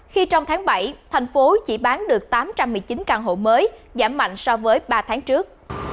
khi trong tháng bảy thành phố chỉ bán được tám trăm một mươi chín căn hộ mới giảm mạnh so với ba tháng trước